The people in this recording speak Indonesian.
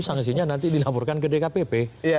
sanksinya nanti dilaporkan ke dkpp